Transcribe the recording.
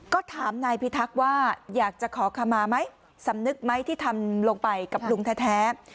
ก็ถามนายพิทักษ์ว่าอยากจะขอคำมาไหมสำนึกไหมที่ทำลงไปกับลุงแท้